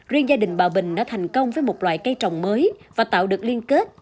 riêng gia đình bà bình đã thành công với một loại cây trồng mới và tạo được liên kết